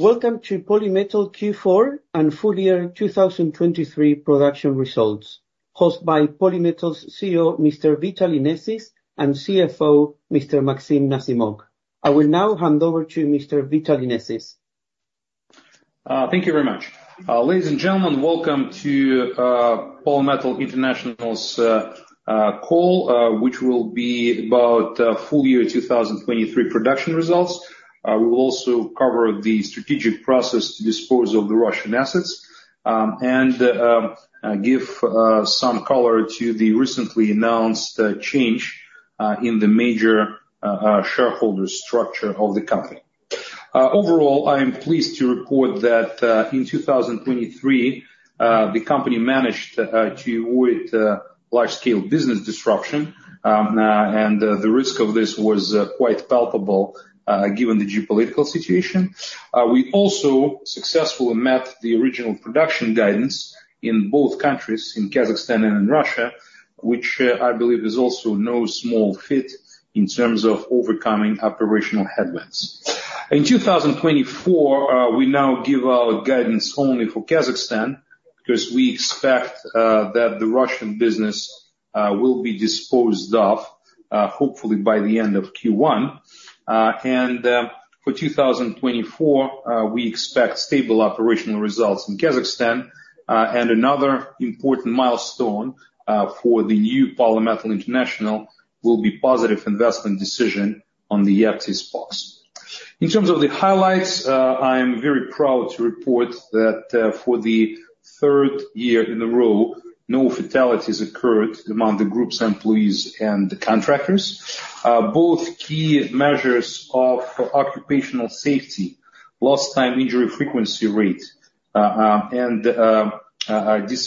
Welcome to Polymetal Q4 and full year 2023 production results, hosted by Polymetal's CEO, Mr. Vitaly Nesis, and CFO, Mr. Maxim Nazimok. I will now hand over to Mr. Vitaly Nesis. Thank you very much. Ladies and gentlemen, welcome to Polymetal International's call, which will be about full year 2023 production results. We will also cover the strategic process to dispose of the Russian assets, and give some color to the recently announced change in the major shareholder structure of the company. Overall, I am pleased to report that in 2023, the company managed to avoid large-scale business disruption, and the risk of this was quite palpable, given the geopolitical situation. We also successfully met the original production guidance in both countries, in Kazakhstan and in Russia, which I believe is also no small feat in terms of overcoming operational headwinds. In 2024, we now give our guidance only for Kazakhstan, because we expect that the Russian business will be disposed of, hopefully by the end of Q1. For 2024, we expect stable operational results in Kazakhstan. Another important milestone for the new Polymetal International will be positive investment decision on the Ertis POX. In terms of the highlights, I am very proud to report that, for the third year in a row, no fatalities occurred among the group's employees and contractors. Both key measures of occupational safety, Lost Time Injury Frequency Rate and days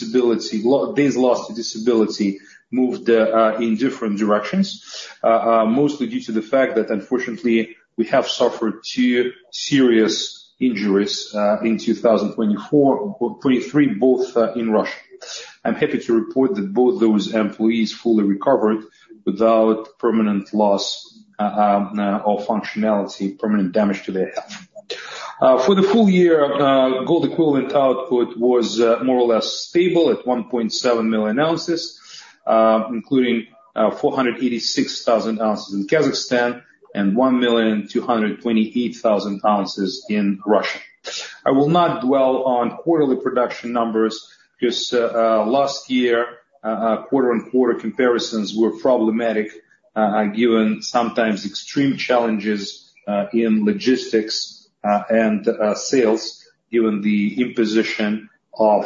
lost to disability, moved in different directions, mostly due to the fact that unfortunately, we have suffered two serious injuries in 2023, both in Russia. I'm happy to report that both those employees fully recovered without permanent loss or functionality, permanent damage to their health. For the full year, gold equivalent output was more or less stable at 1.7 million ounces, including 486,000 ounces in Kazakhstan and 1,228,000 ounces in Russia. I will not dwell on quarterly production numbers, because last year quarter-on-quarter comparisons were problematic, given sometimes extreme challenges in logistics and sales, given the imposition of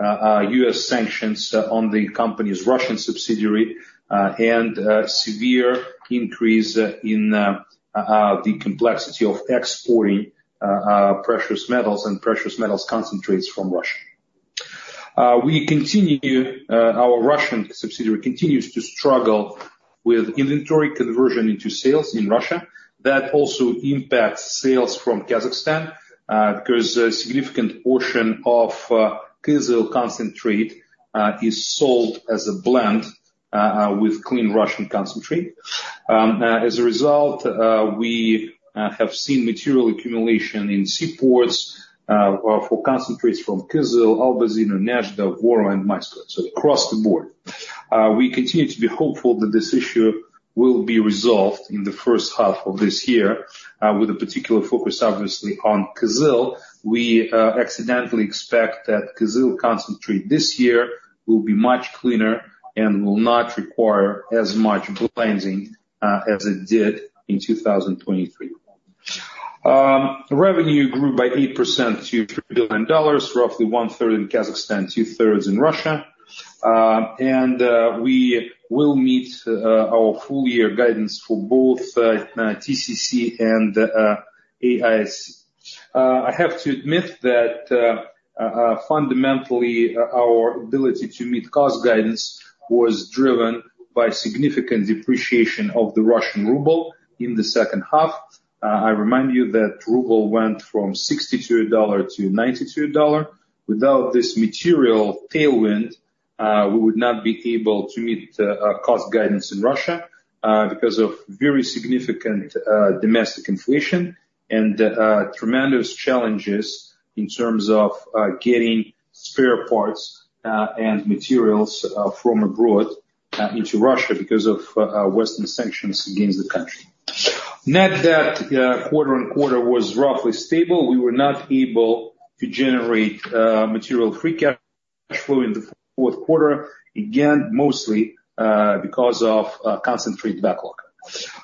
US sanctions on the company's Russian subsidiary, and a severe increase in the complexity of exporting precious metals and precious metals concentrates from Russia. Our Russian subsidiary continues to struggle with inventory conversion into sales in Russia. That also impacts sales from Kazakhstan, because a significant portion of Kyzyl concentrate is sold as a blend with clean Russian concentrate. As a result, we have seen material accumulation in seaports for concentrates from Kyzyl, Albazino, Nezhda, Voro and Mayskoye. So across the board. We continue to be hopeful that this issue will be resolved in the first half of this year, with a particular focus, obviously, on Kyzyl. We actually expect that Kyzyl concentrate this year will be much cleaner and will not require as much blending, as it did in 2023. Revenue grew by 8% to $3 billion, roughly one-third in Kazakhstan, two-thirds in Russia. We will meet our full year guidance for both TCC and AISC. I have to admit that fundamentally our ability to meet cost guidance was driven by significant depreciation of the Russian ruble in the second half. I remind you that ruble went from 62 dollars to 92 dollars. Without this material tailwind, we would not be able to meet cost guidance in Russia because of very significant domestic inflation and tremendous challenges in terms of getting spare parts and materials from abroad into Russia because of Western sanctions against the country. Net debt quarter-on-quarter was roughly stable. We were not able to generate material free cash flow in the fourth quarter, again, mostly because of concentrate backlog.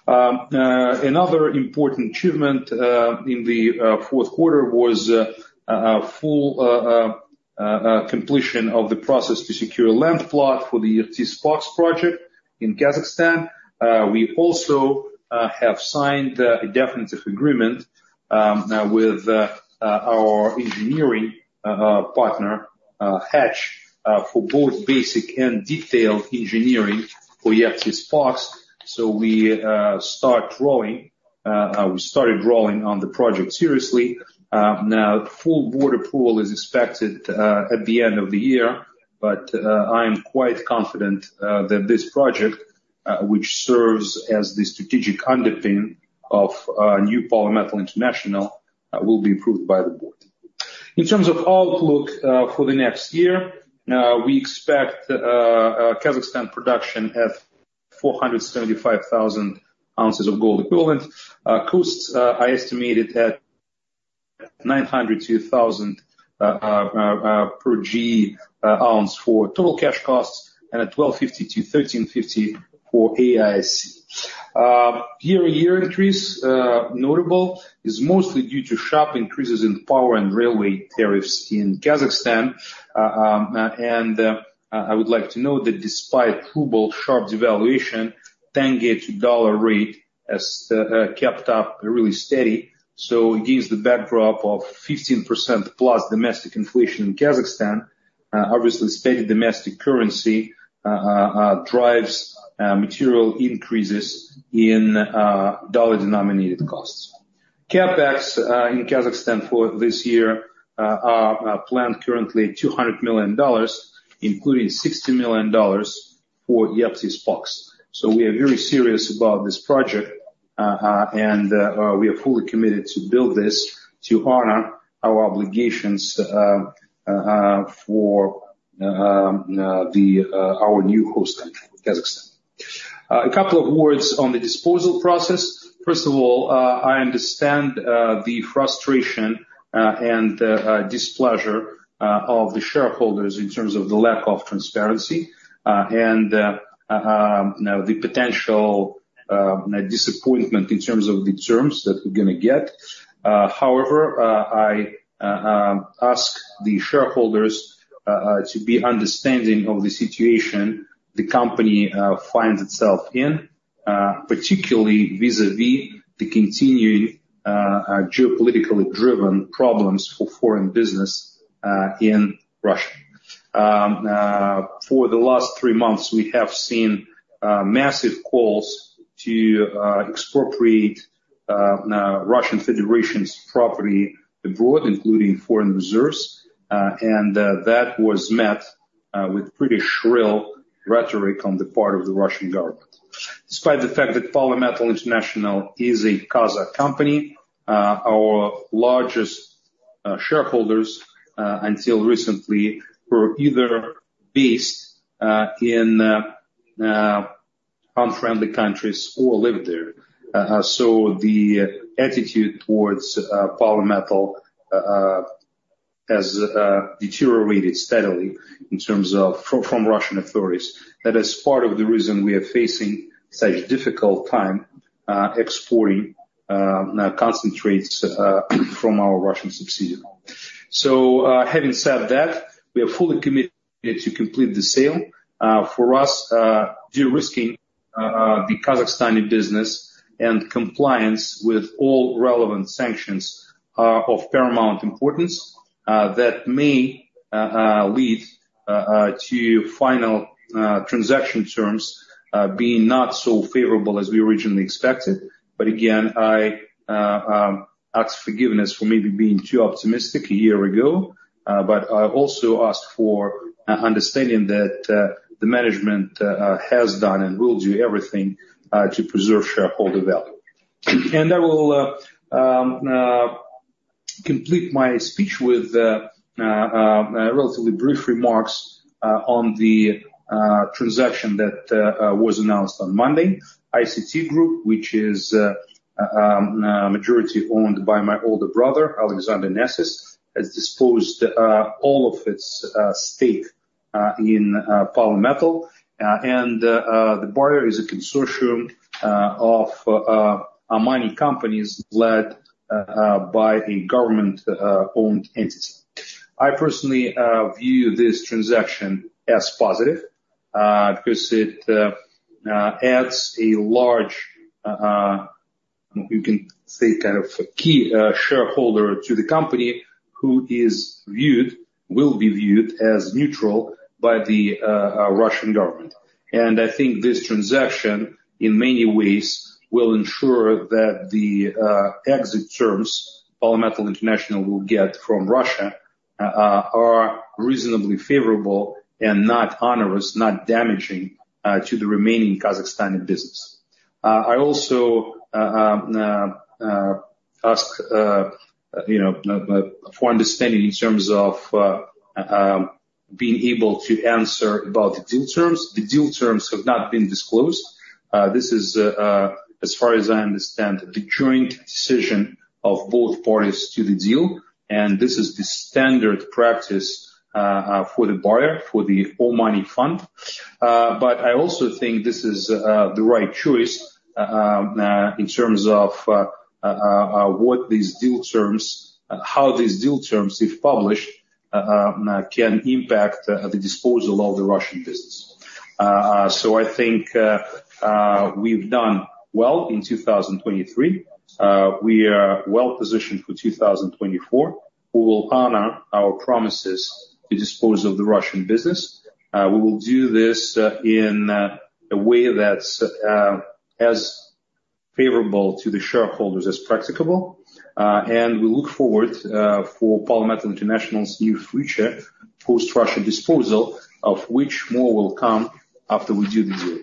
Another important achievement in the fourth quarter was a full completion of the process to secure a land plot for the Ertis POX project in Kazakhstan. We also have signed a definitive agreement with our engineering partner Hatch for both basic and detailed engineering for Ertis POX. So we started drawing on the project seriously. Now, full board approval is expected at the end of the year, but I am quite confident that this project which serves as the strategic underpinning of new Polymetal International will be approved by the board. In terms of outlook for the next year, we expect Kazakhstan production at 475,000 ounces of gold equivalent. Costs are estimated at $900-$1,000 per GE ounce for total cash costs and at $1,250-$1,350 for AISC. Year-on-year increase, notable, is mostly due to sharp increases in power and railway tariffs in Kazakhstan. I would like to note that despite ruble sharp devaluation, tenge to dollar rate has kept up really steady. So it gives the backdrop of 15% plus domestic inflation in Kazakhstan. Obviously, steady domestic currency drives material increases in dollar-denominated costs. CapEx in Kazakhstan for this year are planned currently $200 million, including $60 million for the Ertis POX. So we are very serious about this project, and we are fully committed to build this to honor our obligations, for our new host country, Kazakhstan. A couple of words on the disposal process. First of all, I understand the frustration and displeasure of the shareholders in terms of the lack of transparency and, you know, the potential disappointment in terms of the terms that we're going to get. However, I ask the shareholders to be understanding of the situation the company finds itself in, particularly vis-a-vis the continuing geopolitically driven problems for foreign business in Russia. For the last three months, we have seen massive calls to expropriate Russian Federation's property abroad, including foreign reserves, and that was met with pretty shrill rhetoric on the part of the Russian government. Despite the fact that Polymetal International is a Kazakh company, our largest shareholders, until recently, were either based in unfriendly countries or lived there. So the attitude towards Polymetal has deteriorated steadily in terms of from Russian authorities. That is part of the reason we are facing such difficult time exporting concentrates from our Russian subsidiary. So, having said that, we are fully committed to complete the sale. For us, de-risking the Kazakhstani business and compliance with all relevant sanctions are of paramount importance, that may lead to final transaction terms being not so favorable as we originally expected. But again, I ask forgiveness for maybe being too optimistic a year ago, but I also ask for understanding that the management has done and will do everything to preserve shareholder value. And I will complete my speech with relatively brief remarks on the transaction that was announced on Monday. ICT Holding, which is majority owned by my older brother, Alexander Nesis, has disposed all of its stake in Polymetal, and the buyer is a consortium of Omani companies led by a government owned entity. I personally view this transaction as positive, because it adds a large, you can say, kind of, a key shareholder to the company, who is viewed, will be viewed as neutral by the Russian government. I think this transaction, in many ways, will ensure that the exit terms Polymetal International will get from Russia are reasonably favorable and not onerous, not damaging to the remaining Kazakhstani business. I also ask, you know, for understanding in terms of being able to answer about the deal terms. The deal terms have not been disclosed. This is, as far as I understand, the joint decision of both parties to the deal, and this is the standard practice for the buyer, for the Omani fund. But I also think this is the right choice in terms of how these deal terms, if published, can impact the disposal of the Russian business. So I think we've done well in 2023. We are well positioned for 2024. We will honor our promises to dispose of the Russian business. We will do this in a way that's as favorable to the shareholders as practicable, and we look forward for Polymetal International's new future post-Russia disposal, of which more will come after we do the deal.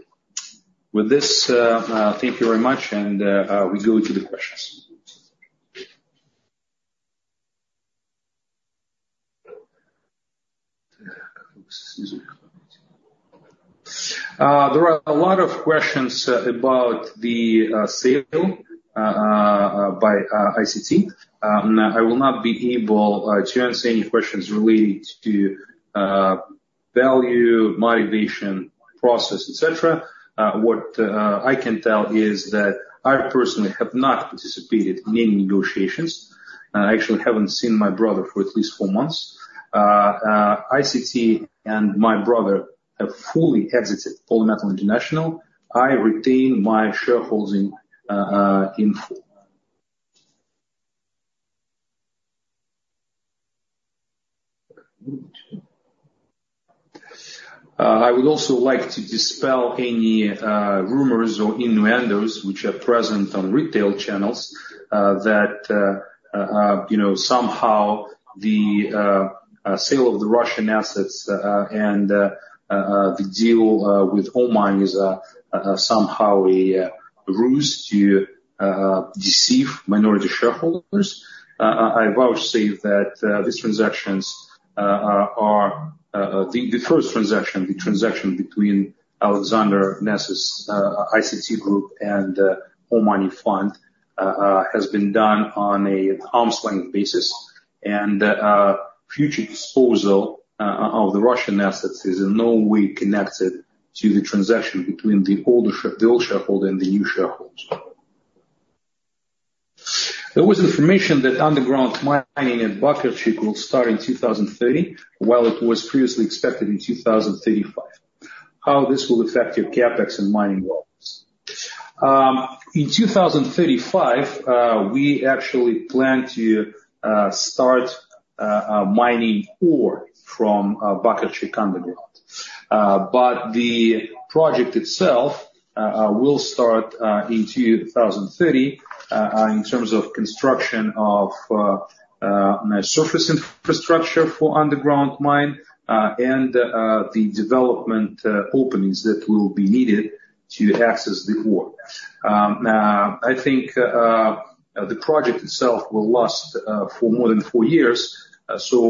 With this, thank you very much, and we go to the questions. There are a lot of questions about the sale by ICT. I will not be able to answer any questions related to value, motivation, process, et cetera. What I can tell is that I personally have not participated in any negotiations. I actually haven't seen my brother for at least four months. ICT and my brother have fully exited Polymetal International. I retain my shareholding in full. I would also like to dispel any rumors or innuendos which are present on retail channels that you know, somehow the sale of the Russian assets and the deal with Oman is somehow a ruse to deceive minority shareholders. I vow to say that these transactions are the first transaction, the transaction between Alexander Nesis's ICT Group and Omani fund has been done on an arm's-length basis, and future disposal of the Russian assets is in no way connected to the transaction between the older share- the old shareholder and the new shareholder. There was information that underground mining at Baksy will start in 2030, while it was previously expected in 2035. How this will affect your CapEx and mining works? In 2035, we actually plan to start mining ore from Baksy company. But the project itself will start in 2030 in terms of construction of surface infrastructure for underground mine, and the development openings that will be needed to access the ore. I think the project itself will last for more than four years. So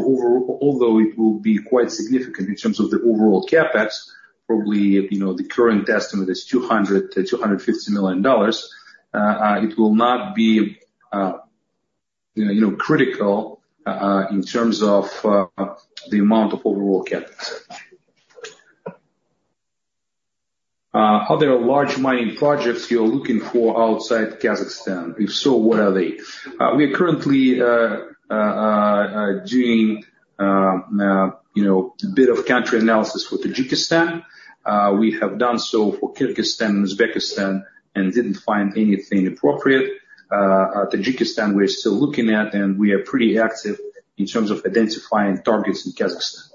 although it will be quite significant in terms of the overall CapEx, probably, you know, the current estimate is $200 million-$250 million, it will not be, you know, critical in terms of the amount of overall CapEx. Are there large mining projects you're looking for outside Kazakhstan? If so, what are they? We are currently doing, you know, a bit of country analysis for Tajikistan. We have done so for Kyrgyzstan, Uzbekistan, and didn't find anything appropriate. Tajikistan, we're still looking at, and we are pretty active in terms of identifying targets in Kazakhstan.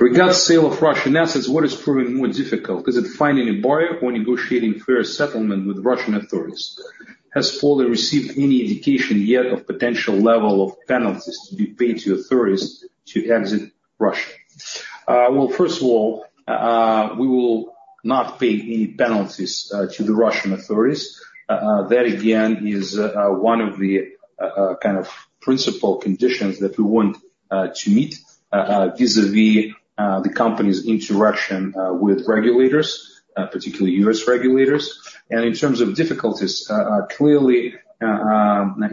Regarding sale of Russian assets, what is proving more difficult? Is it finding a buyer or negotiating fair settlement with Russian authorities? Has Poly received any indication yet of potential level of penalties to be paid to authorities to exit Russia? Well, first of all, we will not pay any penalties to the Russian authorities. That, again, is one of the kind of principle conditions that we want to meet vis-à-vis the company's interaction with regulators, particularly US regulators. In terms of difficulties, clearly,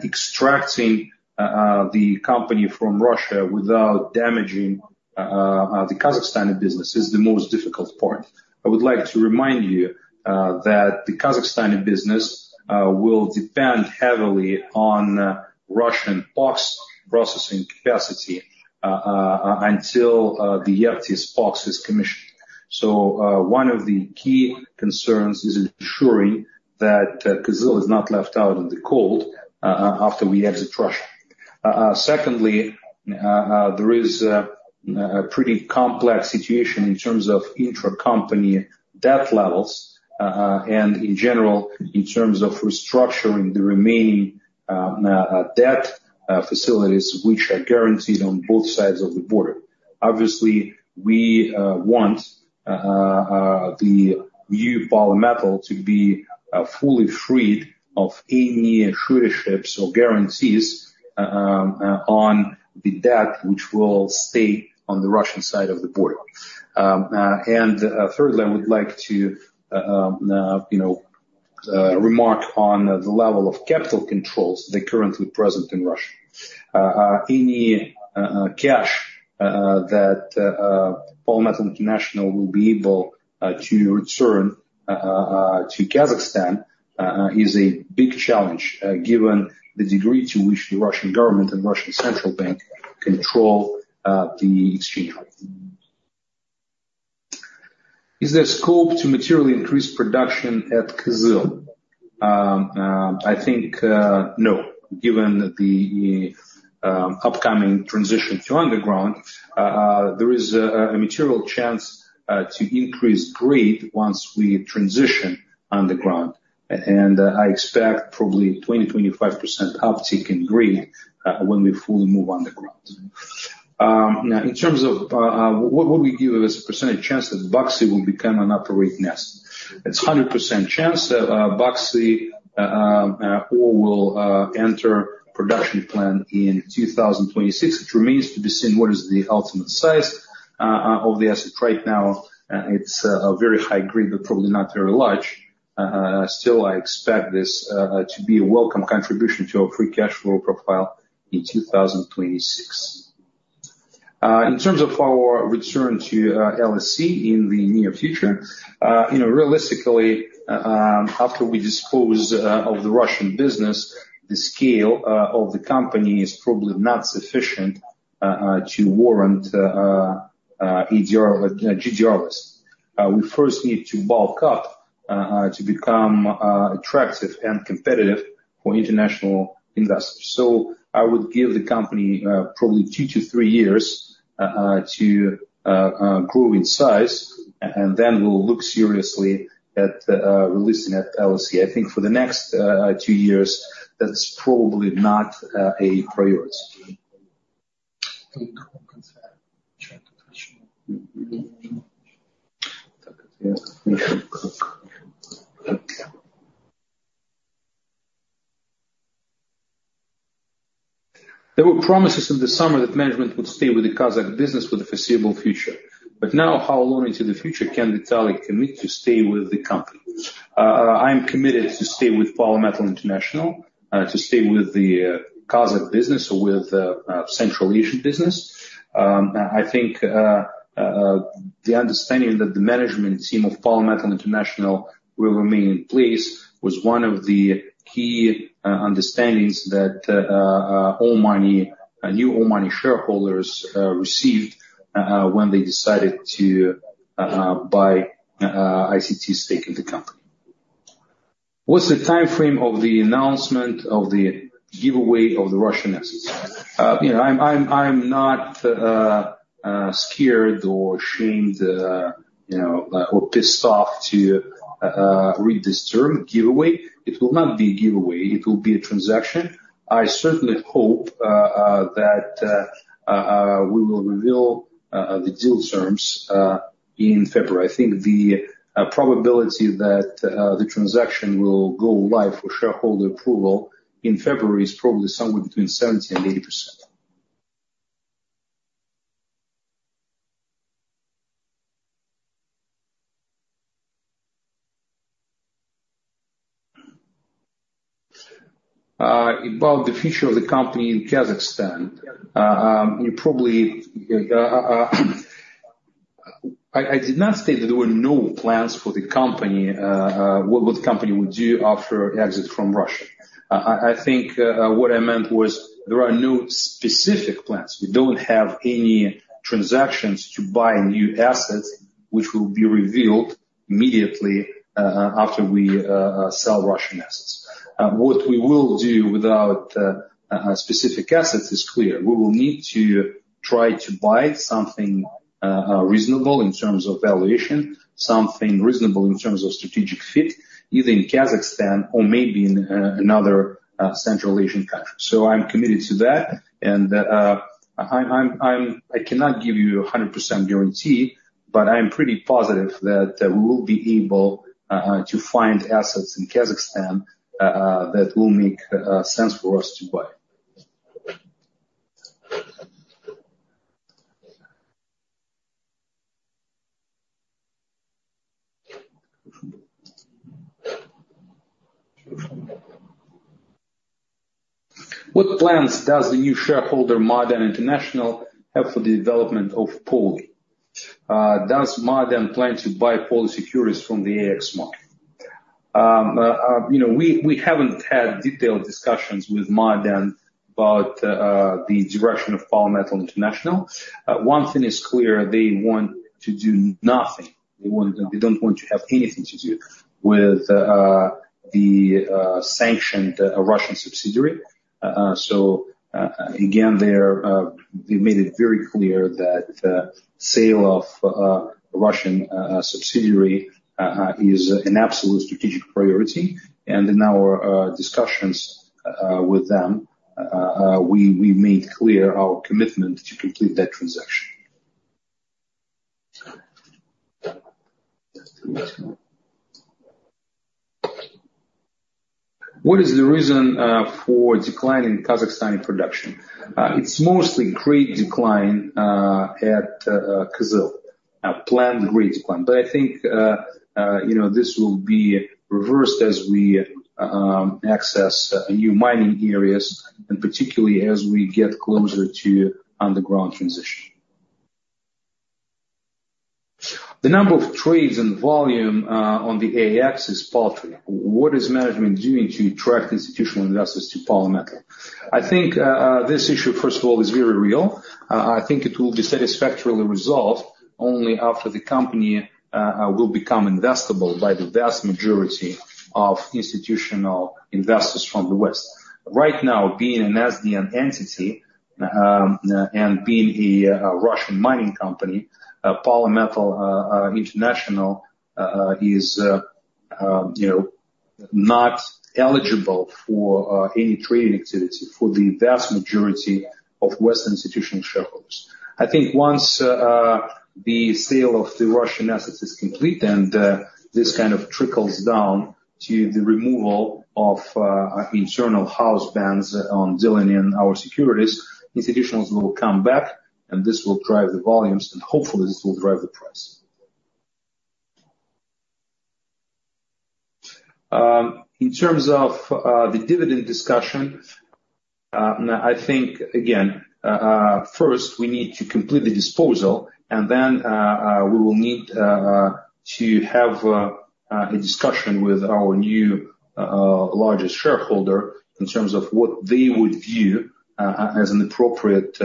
extracting the company from Russia without damaging the Kazakhstani business is the most difficult part. I would like to remind you that the Kazakhstani business will depend heavily on Russian POX processing capacity until the Ertis POX is commissioned. One of the key concerns is ensuring that Kyzyl is not left out in the cold after we exit Russia. Secondly, there is a pretty complex situation in terms of intracompany debt levels and in general, in terms of restructuring the remaining debt facilities, which are guaranteed on both sides of the border. Obviously, we want the new Polymetal to be fully freed of any suretyships or guarantees on the debt, which will stay on the Russian side of the border. And thirdly, I would like to, you know, remark on the level of capital controls that are currently present in Russia. Any cash that Polymetal International will be able to return to Kazakhstan is a big challenge, given the degree to which the Russian government and Russian Central Bank control the exchange rate... Is there scope to materially increase production at Kyzyl? I think no, given the upcoming transition to underground, there is a material chance to increase grade once we transition underground. I expect probably 20-25% uptick in grade when we fully move underground. Now, in terms of what we give as a percentage chance that Baksy will become an operating asset? It's 100% chance that Baksy ore will enter production plan in 2026. It remains to be seen what is the ultimate size of the asset. Right now, it's a very high grade, but probably not very large. Still, I expect this to be a welcome contribution to our free cash flow profile in 2026. In terms of our return to LSE in the near future, you know, realistically, after we dispose of the Russian business, the scale of the company is probably not sufficient to warrant GDRs. We first need to bulk up to become attractive and competitive for international investors. So I would give the company probably two to three years to grow in size, and then we'll look seriously at relisting at LSE. I think for the next two years, that's probably not a priority. There were promises in the summer that management would stay with the Kazakh business for the foreseeable future, but now, how long into the future can Vitaly commit to stay with the company? I'm committed to stay with Polymetal International, to stay with the Kazakh business or with Central Asian business. I think the understanding that the management team of Polymetal International will remain in place was one of the key understandings that Omani, a new Omani shareholders received when they decided to buy ICT's stake in the company. What's the timeframe of the announcement of the giveaway of the Russian assets? You know, I'm not scared or shamed, you know, or pissed off to read this term, giveaway. It will not be a giveaway, it will be a transaction. I certainly hope that we will reveal the deal terms in February. I think the probability that the transaction will go live for shareholder approval in February is probably somewhere between 70% and 80%. About the future of the company in Kazakhstan, I did not state that there were no plans for the company, what the company would do after exit from Russia. I think what I meant was, there are no specific plans. We don't have any transactions to buy new assets, which will be revealed immediately after we sell Russian assets. What we will do without specific assets is clear. We will need to try to buy something reasonable in terms of valuation, something reasonable in terms of strategic fit, either in Kazakhstan or maybe in another Central Asian country. So I'm committed to that, and I'm—I'm—I cannot give you 100% guarantee, but I am pretty positive that we will be able to find assets in Kazakhstan that will make sense for us to buy. What plans does the new shareholder, Maaden International, have for the development of Poly? Does Maaden plan to buy Poly securities from the AIX market? You know, we haven't had detailed discussions with Maaden about the direction of Polymetal International. One thing is clear, they want to do nothing. They want—they don't want to have anything to do with the sanctioned Russian subsidiary. So again, they made it very clear that the sale of Russian subsidiary is an absolute strategic priority. In our discussions with them, we made clear our commitment to complete that transaction. What is the reason for decline in Kazakhstani production? It's mostly grade decline at Kyzyl, a planned grade decline. But I think, you know, this will be reversed as we access new mining areas, and particularly as we get closer to underground transition. The number of trades and volume on the AIX is paltry. What is management doing to attract institutional investors to Polymetal?... I think this issue, first of all, is very real. I think it will be satisfactorily resolved only after the company will become investable by the vast majority of institutional investors from the West. Right now, being an SDN entity, and being a Russian mining company, Polymetal International is, you know, not eligible for any trading activity for the vast majority of Western institutional shareholders. I think once the sale of the Russian assets is complete, and this kind of trickles down to the removal of internal house bans on dealing in our securities, institutions will come back, and this will drive the volumes, and hopefully, this will drive the price. In terms of the dividend discussion, I think, again, first, we need to complete the disposal, and then, we will need to have a discussion with our new largest shareholder in terms of what they would view as an appropriate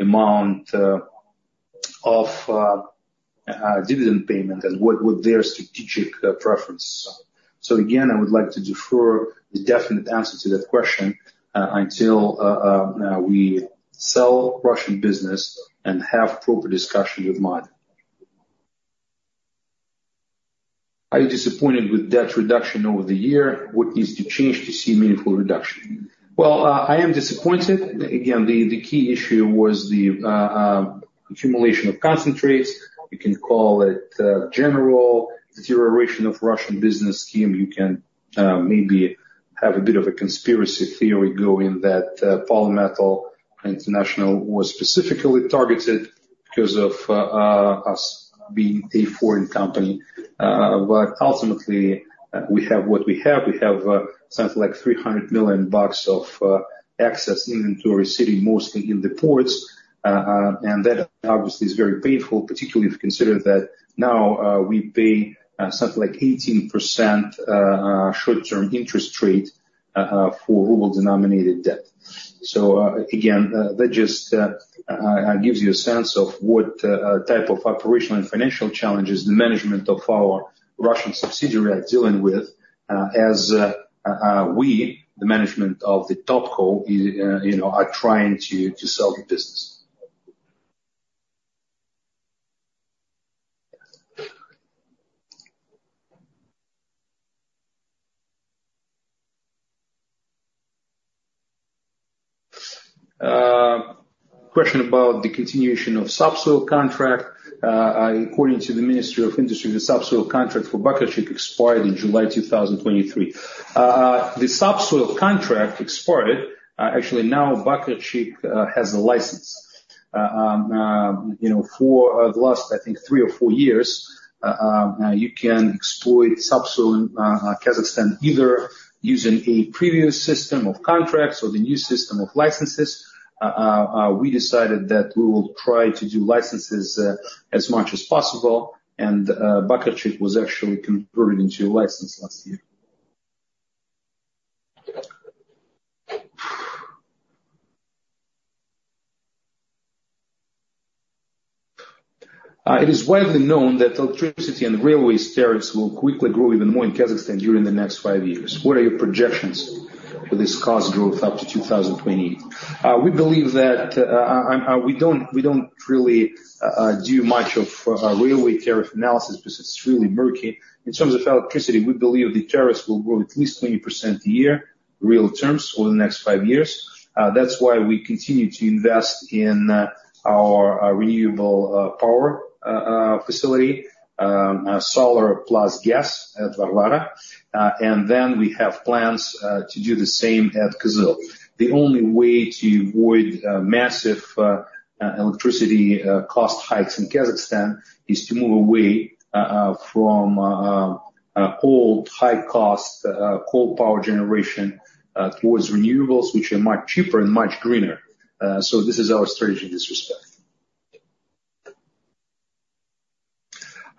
amount of dividend payment and what would their strategic preference. So again, I would like to defer the definite answer to that question until we sell Russian business and have proper discussion with Maaden. Are you disappointed with debt reduction over the year? What needs to change to see meaningful reduction? Well, I am disappointed. Again, the key issue was the accumulation of concentrates. You can call it general deterioration of Russian business scheme. You can maybe have a bit of a conspiracy theory going that Polymetal International was specifically targeted because of us being a foreign company. But ultimately, we have what we have. We have something like $300 million of excess inventory sitting mostly in the ports, and that obviously is very painful, particularly if you consider that now we pay something like 18% short-term interest rate for ruble-denominated debt. So again, that just gives you a sense of what type of operational and financial challenges the management of our Russian subsidiary are dealing with, as we, the management of the topco, you know, are trying to sell the business. Question about the continuation of subsoil contract. According to the Ministry of Industry, the subsoil contract for Baksy expired in July 2023. Actually, now, Baksy has a license. You know, for the last, I think, three or four years, you can exploit subsoil in Kazakhstan, either using a previous system of contracts or the new system of licenses. We decided that we will try to do licenses as much as possible, and Baksy was actually converted into a license last year. It is widely known that electricity and railway tariffs will quickly grow even more in Kazakhstan during the next five years. What are your projections for this cost growth up to 2020? We believe that, and, we don't really do much of railway tariff analysis because it's really murky. In terms of electricity, we believe the tariffs will grow at least 20% a year, real terms, over the next 5 years. That's why we continue to invest in our renewable power facility, solar plus gas at Varvara. And then we have plans to do the same at Kyzyl. The only way to avoid massive electricity cost hikes in Kazakhstan is to move away from old, high-cost coal power generation towards renewables, which are much cheaper and much greener. So this is our strategy in this respect.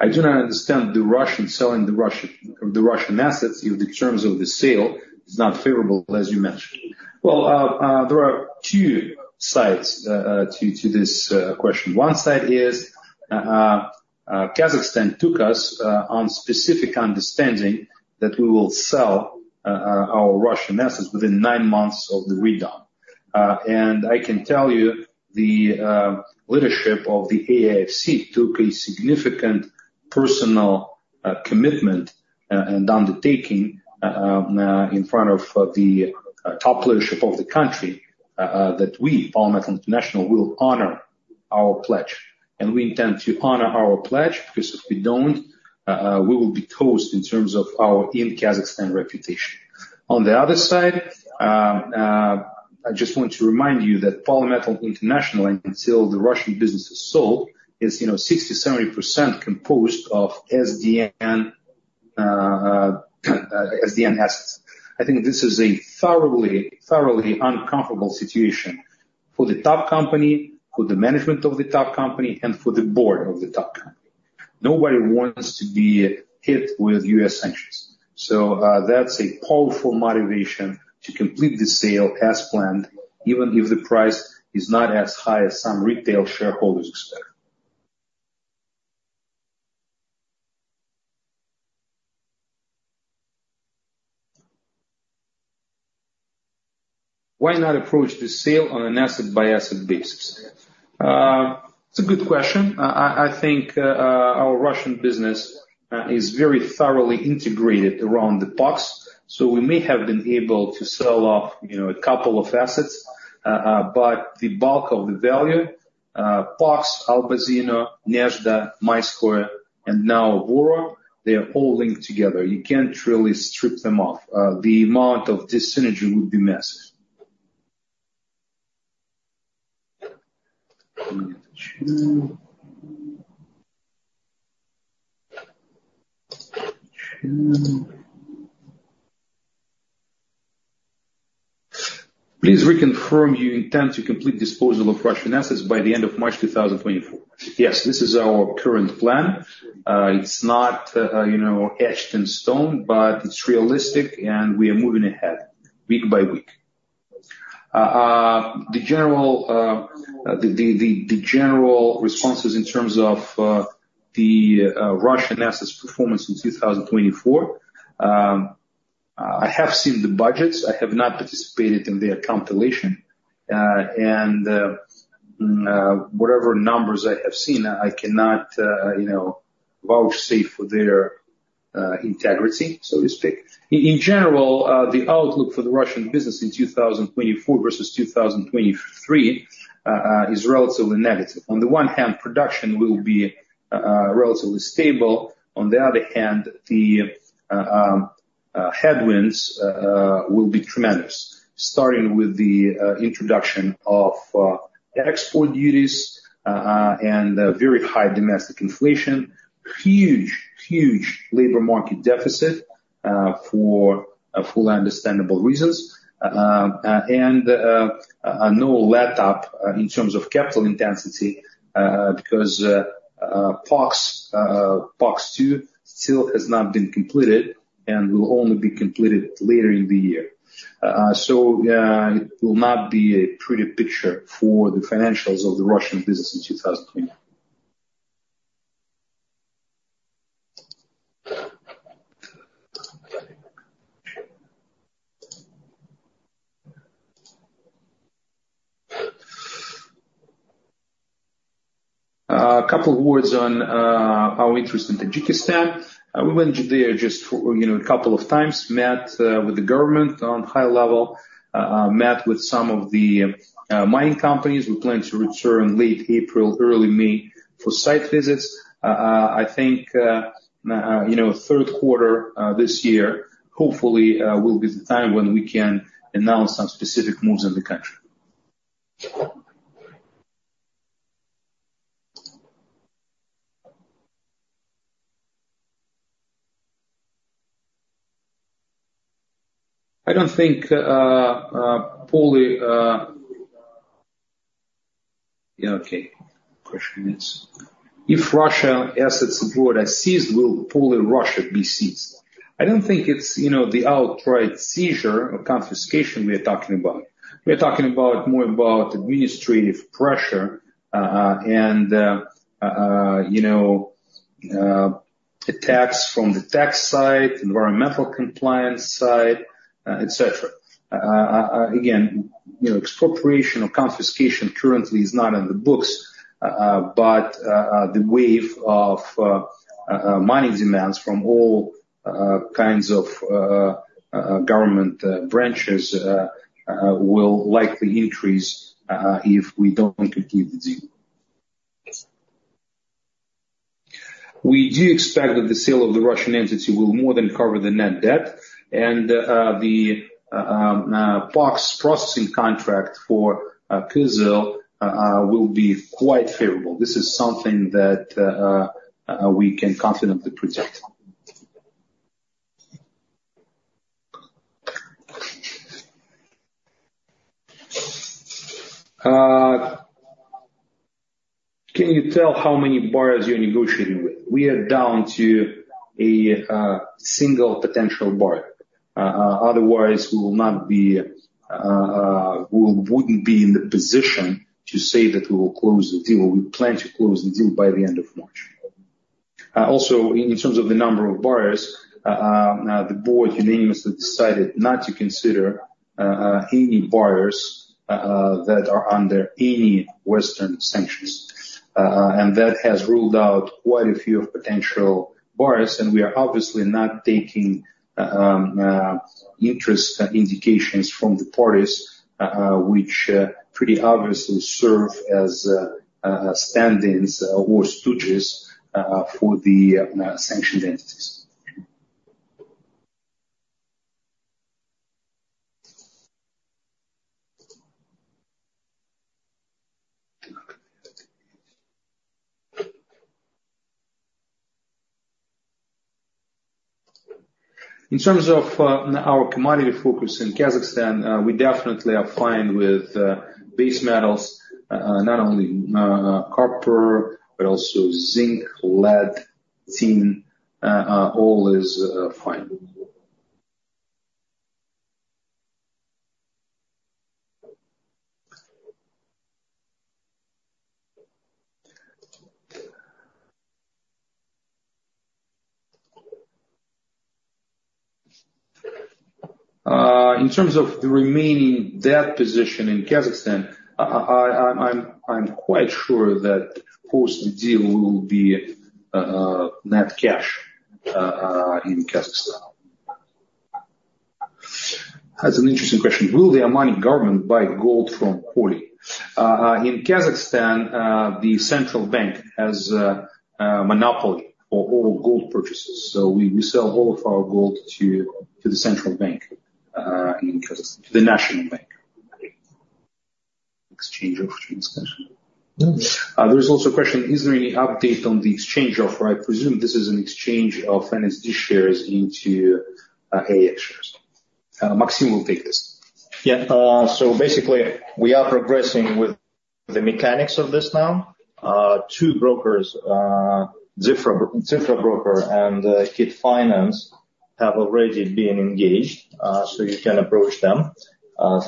I do not understand the Russian selling the Russian, the Russian assets, if the terms of the sale is not favorable, as you mentioned. Well, there are two sides to this question. One side is, Kazakhstan took us on specific understanding that we will sell our Russian assets within nine months of the re-domiciliation. And I can tell you, the leadership of the AIFC took a significant personal commitment and undertaking in front of the top leadership of the country that we, Polymetal International, will honor our pledge, and we intend to honor our pledge, because if we don't, we will be toast in terms of our in Kazakhstan reputation. On the other side, I just want to remind you that Polymetal International, until the Russian business is sold, is, you know, 60%-70% composed of SDN assets. I think this is a thoroughly, thoroughly uncomfortable situation for the top company, for the management of the top company, and for the board of the top company. Nobody wants to be hit with U.S. sanctions, so that's a powerful motivation to complete the sale as planned, even if the price is not as high as some retail shareholders expect. Why not approach the sale on an asset-by-asset basis? It's a good question. I think our Russian business is very thoroughly integrated around the POX, so we may have been able to sell off, you know, a couple of assets, but the bulk of the value, POX, Albazino, Nezhda, Mayskoye, and now Voro, they are all linked together. You can't really strip them off. The amount of this synergy would be massive. Please reconfirm you intend to complete disposal of Russian assets by the end of March 2024. Yes, this is our current plan. It's not, you know, etched in stone, but it's realistic, and we are moving ahead week by week. The general responses in terms of the Russian assets performance in 2024, I have seen the budgets. I have not participated in their compilation, and whatever numbers I have seen, I cannot, you know, vouchsafe for their integrity, so to speak. In general, the outlook for the Russian business in 2024 versus 2023 is relatively negative. On the one hand, production will be relatively stable. On the other hand, the headwinds will be tremendous, starting with the introduction of export duties and very high domestic inflation. Huge, huge labor market deficit for fully understandable reasons and no let up in terms of capital intensity, because POX 2 still has not been completed and will only be completed later in the year. So, it will not be a pretty picture for the financials of the Russian business in 2024. A couple of words on our interest in Tajikistan. We went there just, you know, a couple of times, met with the government on high level, met with some of the mining companies. We plan to return late April, early May, for site visits. I think, you know, third quarter this year, hopefully, will be the time when we can announce some specific moves in the country. I don't think, Poly... Yeah, okay. Question is: If Russia assets abroad are seized, will Poly Russia be seized? I don't think it's, you know, the outright seizure or confiscation we are talking about. We are talking about more about administrative pressure, and, you know, attacks from the tax side, environmental compliance side, et cetera. Again, you know, expropriation or confiscation currently is not in the books, but, the wave of, mining demands from all, kinds of, government, branches, will likely increase, if we don't complete the deal. We do expect that the sale of the Russian entity will more than cover the net debt, and, the, POX processing contract for, Kyzyl, will be quite favorable. This is something that, we can confidently project. Can you tell how many buyers you're negotiating with? We are down to a, single potential buyer. Otherwise, we will not be, we wouldn't be in the position to say that we will close the deal. We plan to close the deal by the end of March. Also, in terms of the number of buyers, the board unanimously decided not to consider any buyers that are under any Western sanctions. And that has ruled out quite a few potential buyers, and we are obviously not taking interest indications from the parties which pretty obviously serve as standings or stooges for the sanctioned entities. In terms of our commodity focus in Kazakhstan, we definitely are fine with base metals, not only copper, but also zinc, lead, tin, all is fine. In terms of the remaining debt position in Kazakhstan, I'm quite sure that post deal will be net cash in Kazakhstan. That's an interesting question: Will the Omani government buy gold from Poly? In Kazakhstan, the central bank has a monopoly for all gold purchases, so we sell all of our gold to the central bank in Kazakhstan, the National Bank. Exchange offer discussion. There is also a question: Is there any update on the exchange offer? I presume this is an exchange of NSD shares into AIX shares. Maxim will take this. Yeah, so basically, we are progressing with the mechanics of this now. Two brokers, Cifra Broker and KIT Finance, have already been engaged, so you can approach them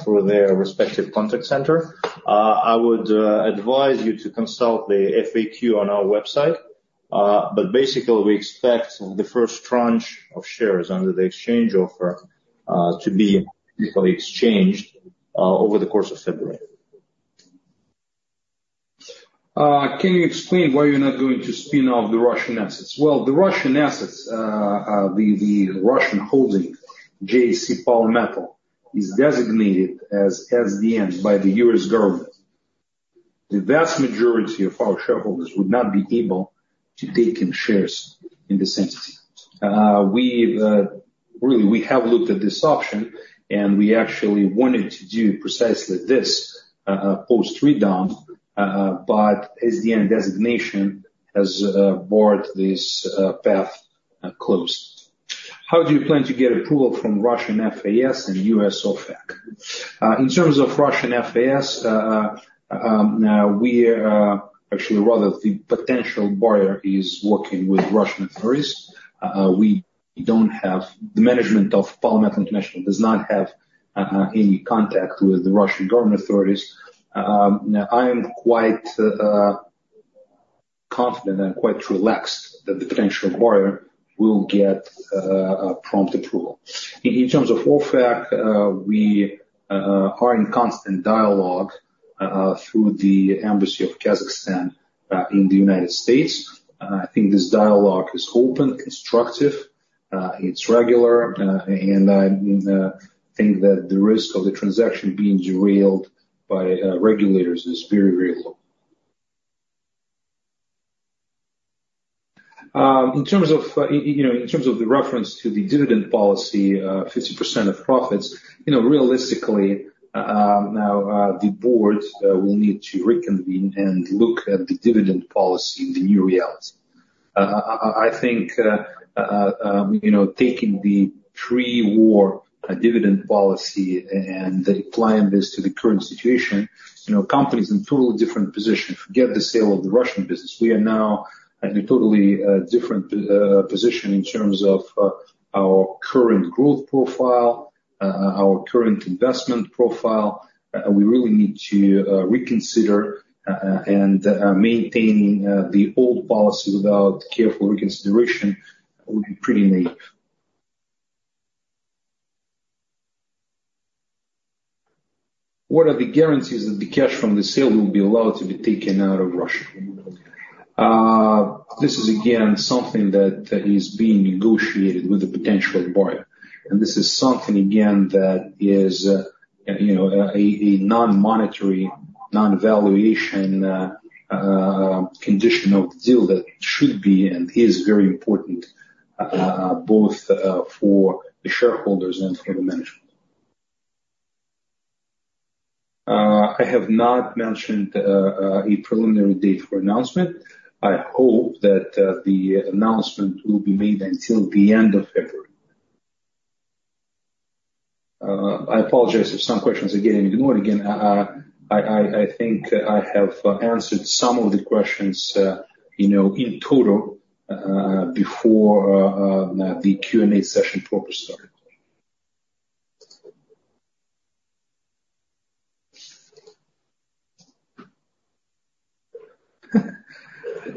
through their respective contact center. I would advise you to consult the FAQ on our website, but basically, we expect the first tranche of shares under the exchange offer to be equally exchanged over the course of February. Can you explain why you're not going to spin off the Russian assets? Well, the Russian assets, the Russian holding, JSC Polymetal, is designated as SDN by the U.S. government. The vast majority of our shareholders would not be able to take in shares in this entity. We've really, we have looked at this option, and we actually wanted to do precisely this, post redom, but SDN designation has barred this path, closed. How do you plan to get approval from Russian FAS and US OFAC? In terms of Russian FAS, actually, rather the potential buyer is working with Russian authorities. We don't have... The management of Polymetal International does not have any contact with the Russian government authorities. I am quite confident and quite relaxed that the potential buyer will get a prompt approval. In terms of OFAC, we are in constant dialogue through the Embassy of Kazakhstan in the United States. I think this dialogue is open, constructive, it's regular, and I think that the risk of the transaction being derailed by regulators is very, very low. In terms of, you know, in terms of the reference to the dividend policy, 50% of profits, you know, realistically, now, the board will need to reconvene and look at the dividend policy in the new reality. I think, you know, taking the pre-war dividend policy and applying this to the current situation, you know, company's in totally different position. Forget the sale of the Russian business. We are now at a totally different position in terms of our current growth profile, our current investment profile. We really need to reconsider, and maintaining the old policy without careful reconsideration would be pretty naive. What are the guarantees that the cash from the sale will be allowed to be taken out of Russia? This is again, something that, that is being negotiated with the potential buyer, and this is something, again, that is, you know, a non-monetary, non-valuation condition of the deal that should be and is very important, both for the shareholders and for the management. I have not mentioned a preliminary date for announcement. I hope that the announcement will be made until the end of February. I apologize if some questions are getting ignored again. I think I have answered some of the questions, you know, in total, before the Q&A session proper started.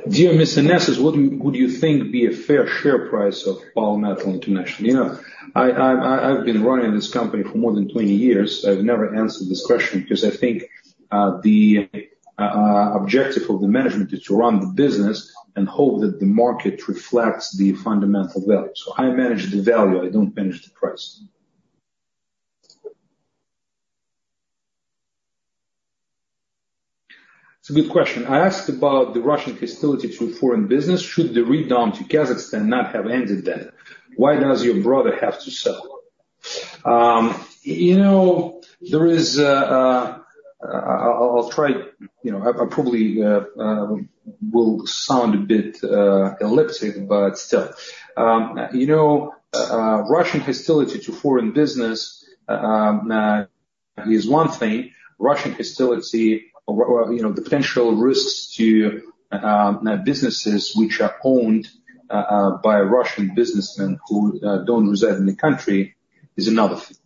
Dear Mr. Nesis, what do you, would you think be a fair share price of Polymetal International? You know, I've been running this company for more than 20 years. I've never answered this question because I think the objective of the management is to run the business and hope that the market reflects the fundamental value. So I manage the value, I don't manage the price. It's a good question. I asked about the Russian hostility to foreign business. Should the redom to Kazakhstan not have ended then, why does your brother have to sell? You know, there is a... I'll try, you know, I probably will sound a bit elliptic, but still. You know, Russian hostility to foreign business is one thing. Russian hostility or, you know, the potential risks to businesses which are owned by Russian businessmen who don't reside in the country, is another thing.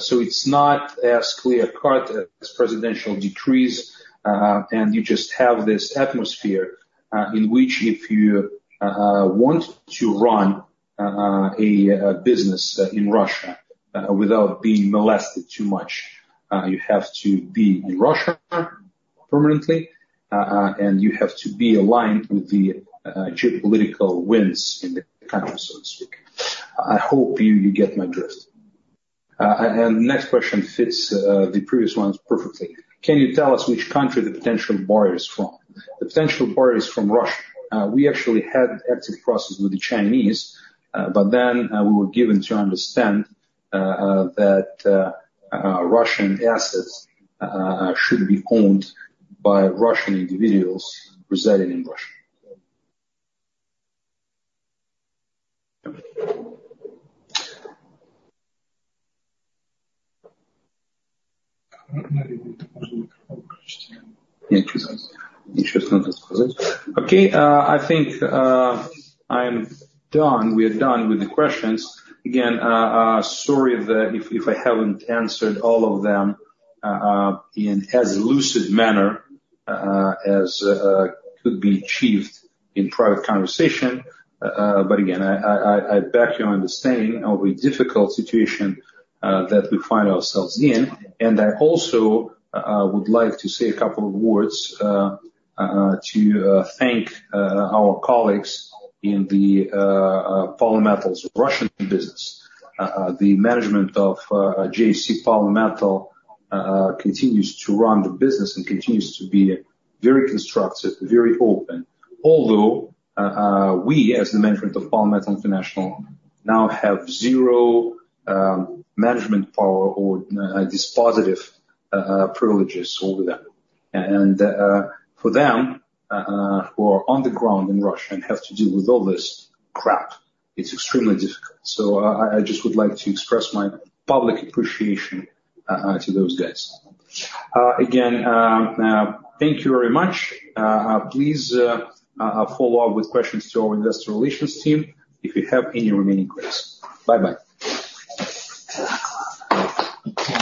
So it's not as clear-cut as presidential decrees, and you just have this atmosphere in which if you want to run a business in Russia without being molested too much, you have to be in Russia permanently, and you have to be aligned with the geopolitical winds in the country, so to speak. I hope you get my drift. And next question fits the previous ones perfectly. Can you tell us which country the potential buyer is from? The potential buyer is from Russia. We actually had active process with the Chinese, but then we were given to understand that Russian assets should be owned by Russian individuals residing in Russia. Okay, I think I'm done. We are done with the questions. Again, sorry if I haven't answered all of them in as lucid manner as could be achieved in private conversation. But again, I beg your understanding of the difficult situation that we find ourselves in. I also would like to say a couple of words to thank our colleagues in the Polymetal's Russian business. The management of JSC Polymetal continues to run the business and continues to be very constructive, very open. Although we, as the management of Polymetal International, now have zero management power or dispositive privileges over them. For them who are on the ground in Russia and have to deal with all this crap, it's extremely difficult. I just would like to express my public appreciation to those guys. Again, thank you very much. Please follow up with questions to our investor relations team if you have any remaining queries. Bye-bye.